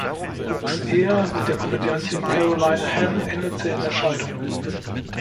Hooks Ehe mit der Komödiantin Caroline Aherne endete in der Scheidung.